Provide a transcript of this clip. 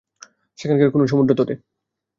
সেখানকার কোনো সমুদ্র তটে।